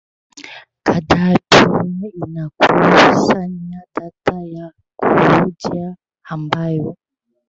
kadhaa pia inakusanya data ya kurudia ambayo